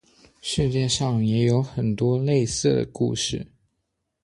世界上也有很多类似的故事。